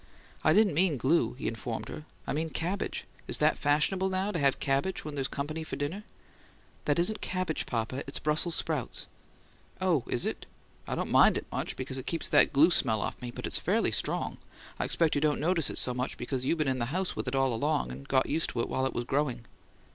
"I didn't mean glue," he informed her. "I mean cabbage. Is that fashionable now, to have cabbage when there's company for dinner?" "That isn't cabbage, papa. It's Brussels sprouts." "Oh, is it? I don't mind it much, because it keeps that glue smell off me, but it's fairly strong. I expect you don't notice it so much because you been in the house with it all along, and got used to it while it was growing."